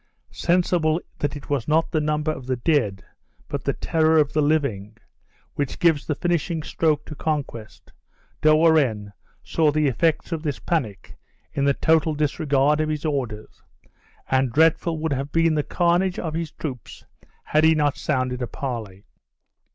Sensible that it was not the number of the dead, but the terror of the living, which gives the finishing stroke to conquest, De Warenne saw the effects of this panic, in the total disregard of his orders; and dreadful would have been the carnage of his troops had he not sounded a parley.